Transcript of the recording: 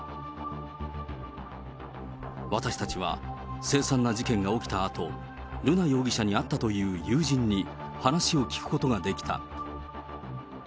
私たちは凄惨な事件が起きたあと、瑠奈容疑者に会ったという友人に話を聞くことができた。